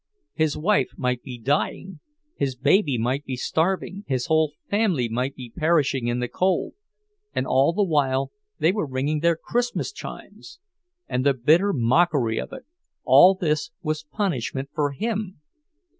His wife might be dying, his baby might be starving, his whole family might be perishing in the cold—and all the while they were ringing their Christmas chimes! And the bitter mockery of it—all this was punishment for him!